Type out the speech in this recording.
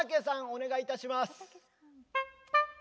お願いいたします。